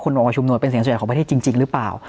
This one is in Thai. คนมองว่าชุมหนวดเป็นเสียงสุดยอดของประเทศจริงหรือเปล่า